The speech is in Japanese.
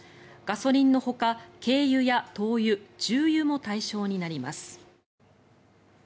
ガソリンのほか、軽油や灯油重油も対象になります。